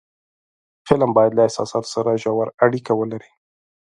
فلم باید له احساساتو سره ژور اړیکه ولري